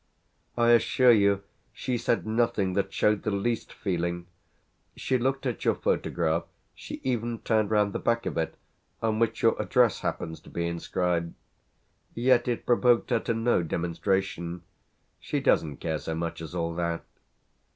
"I assure you she said nothing that showed the least feeling. She looked at your photograph, she even turned round the back of it, on which your address happens to be inscribed. Yet it provoked her to no demonstration. She doesn't care so much as all that."